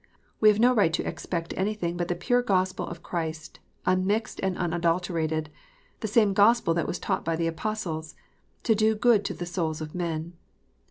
We have no right to expect anything but the pure Gospel of Christ, unmixed and un adulterated, the same Gospel that was taught by the Apostles, to do good to the souls of men.